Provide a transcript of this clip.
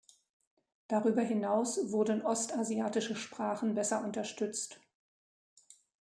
Darüber hinaus wurden ostasiatische Sprachen besser unterstützt.